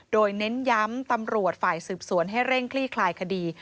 โดยเน้นย้ำตำรวจฝ่ายสืบสวนให้เร่งคลี่คลายคดี